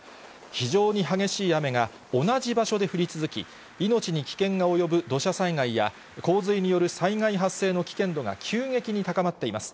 非常に激しい雨が同じ場所で降り続き、命に危険が及ぶ土砂災害や、洪水による災害発生の危険度が急激に高まっています。